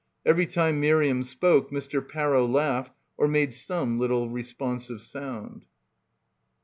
Every time Miriam spoke Mr. Parrow laughed or made some little responsive sound.